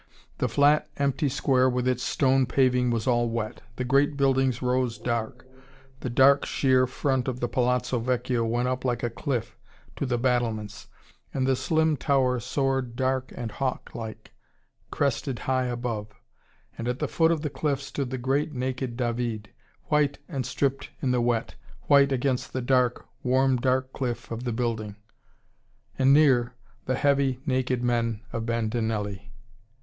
The flat empty square with its stone paving was all wet. The great buildings rose dark. The dark, sheer front of the Palazzo Vecchio went up like a cliff, to the battlements, and the slim tower soared dark and hawk like, crested, high above. And at the foot of the cliff stood the great naked David, white and stripped in the wet, white against the dark, warm dark cliff of the building and near, the heavy naked men of Bandinelli.